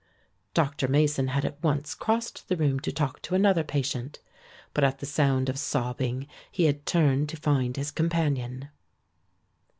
Dr. Mason had at once crossed the room to talk to another patient. But at the sound of sobbing, he had turned to find his companion.